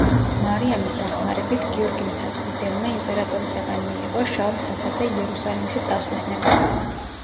მარიამის დახმარებით, გიორგი მთაწმიდელმა იმპერატორისაგან მიიღო შავ მთასა და იერუსალიმში წასვლის ნებართვა.